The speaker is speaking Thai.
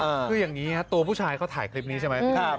คืออย่างนี้ครับตัวผู้ชายเขาถ่ายคลิปนี้ใช่ไหมครับ